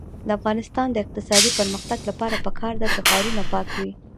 د افغانستان د اقتصادي پرمختګ لپاره پکار ده چې ښارونه پاک وي.